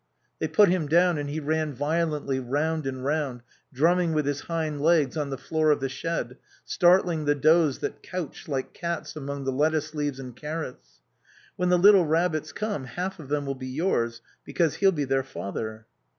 They put him down, and he ran violently round and round, drumming with his hind legs on the floor of the shed, startling the does that couched, like cats, among the lettuce leaves and carrots. "When the little rabbits come half of them will be yours, because he'll be their father."